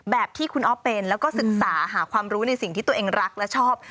แบบที่คุณอ๊อฟเป็นแล้วก็ศึกษาหาความรู้ในสิ่งที่ตัวเองรักและชอบ